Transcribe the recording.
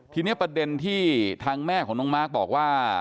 ทีนี้ประเด็นที่ทางแม่ของน้องมาร์คบอกว่า